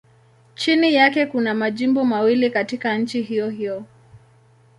Chini yake kuna majimbo mawili katika nchi hiyohiyo.